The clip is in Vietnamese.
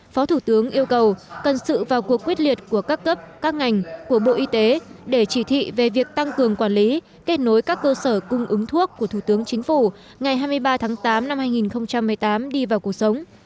phó thủ tướng yêu cầu cần sự vào cuộc quyết liệt của các cấp các ngành của bộ y tế để chỉ thị về việc tăng cường quản lý kết nối các cơ sở cung ứng thuốc của thủ tướng chính phủ ngày hai mươi ba tháng tám năm hai nghìn một mươi tám đi vào cuộc sống